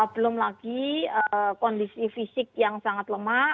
belum lagi kondisi fisik yang sangat lemah